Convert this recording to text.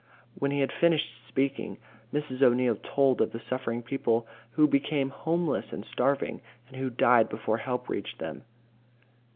When he had finished speaking, Mrs. O'Neil told of the suffering people who became homeless and starving, and who died before help reached them.